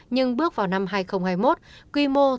nhưng bước vào năm hai nghìn hai mươi một